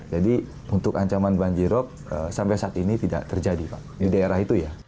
jadi untuk ancaman banjirop sampai saat ini tidak terjadi pak di daerah itu ya